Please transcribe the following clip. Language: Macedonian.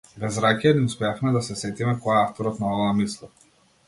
Без ракија не успеавме да се сетиме кој е авторот на оваа мисла.